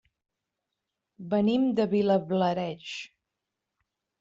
Venim de Vilablareix.